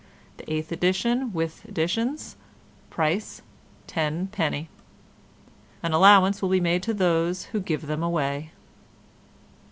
The 8th edition with additions. Price 10d. An allowance will be made to those who give them away."